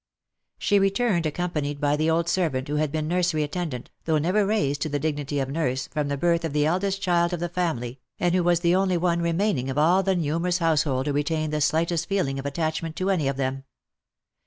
She returned accompanied by the old servant who had been nursery attendant, though never raised to the dignity of nurse, from the birth of the eldest child of the family, and who was the only one remaining of all the numerous household who retained the slightest feeling of attachment to any of them.